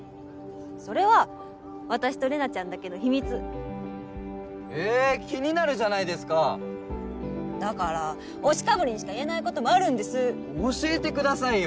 それは私と玲奈ちゃんだけの秘密えぇ気になるじゃないですかだから推しかぶりにしか言えないこともあるんです教えてくださいよ！